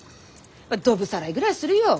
ドブさらいぐらいするよ。